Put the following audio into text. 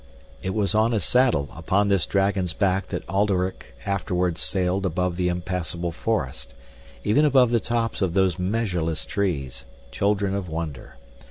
It was on a saddle upon this dragon's back that Alderic afterwards sailed above the unpassable forest, even above the tops of those measureless trees, children of wonder.